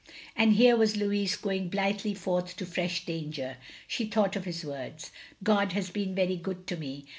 And here was Louis going blithely forth to fresh danger. She thought of his words : "God has been very good to me.